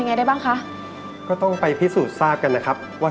ยังไงได้บ้างคะก็ต้องไปพิสูจน์ทราบกันนะครับว่า